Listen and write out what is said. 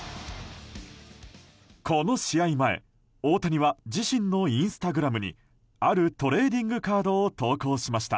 この試合前、大谷は自身のインスタグラムにあるトレーディングカードを投稿しました。